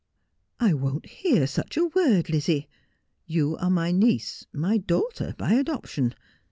' I won't hear such a word, Lizzie. You are my niece — my daughter — by adoption.